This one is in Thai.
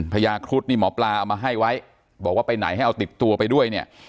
พญาครุฑนี่หมอปลาเอามาให้ไว้บอกว่าไปไหนให้เอาติดตัวไปด้วยเนี่ย